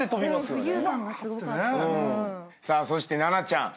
さあそして奈々ちゃん